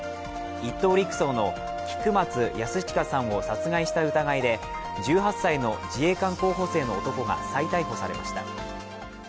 １等陸尉の菊松安親さんを殺害した疑いで１８歳の自衛官候補生の男が再逮捕されました。